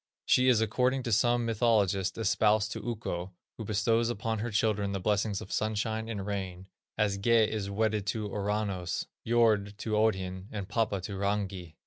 She is according to some mythologists espoused to Ukko, who bestows upon her children the blessings of sunshine and rain, as Gé is wedded to Ouranos, Jordh to Odhin, and Papa to Rangi.